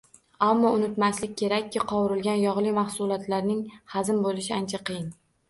Ammo, unutmaslik kerakki, qovurilgan, yogʻli mahsulotlarning hazm boʻlishi ancha qiyin.